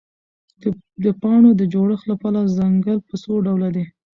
د پاڼو د جوړښت له پلوه ځنګل په څوډوله دی؟